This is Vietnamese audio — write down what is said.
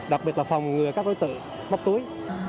đặc biệt là phòng ngừa các đối tượng móc túi